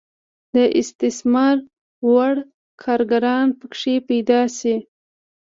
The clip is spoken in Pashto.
د استثمار وړ کارګران پکې پیدا شي.